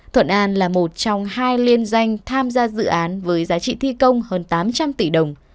thuận an là một trong hai liên danh tham gia dự án với giá trị thi công hơn tám trăm linh tỷ đồng